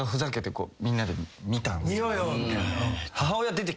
見ようよみたいな。